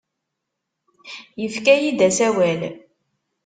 Yefka-iyi-d asawal.